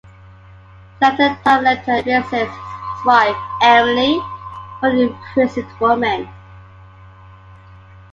Senator Tom Leighton visits his wife Emily, one of the imprisoned women.